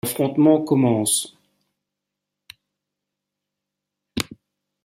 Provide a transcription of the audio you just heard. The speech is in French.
L'affrontement commence.